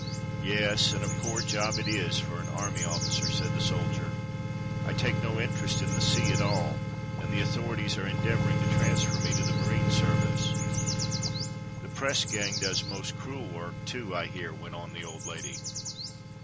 ^" "Yes, and a poor job it is for an army officer," said the soldier. "I take no interest in the sea at all, and the authorities are endeavouring to transfer me to the marine service." "The press gang does most cruel work, too, I hear," went on the old lady.